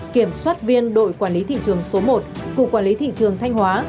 kiểm soát viên đội quản lý thị trường số một cục quản lý thị trường thanh hóa